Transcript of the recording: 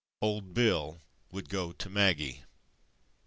Old Bill would go to Maggie.